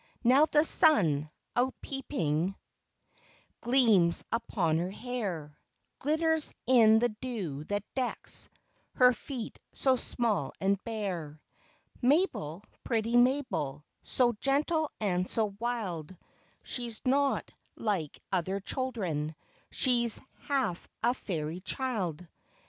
Now the sun, out peeping, Gleams upon her hair, Glitters in the dew that decks Her feet so small and bare. Mabel, pretty Mabel, So gentle and so wild ;— She 's not like other children, She 's half a fairy child !